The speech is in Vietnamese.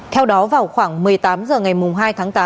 theo đó vào khoảng một mươi tám h ngày hai tháng tám